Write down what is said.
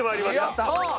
やった！